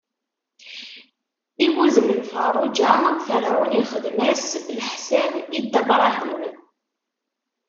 I wudem n Feṛṛuǧa, Ferɛun ixdem-as leḥsan i Dda Bṛahim.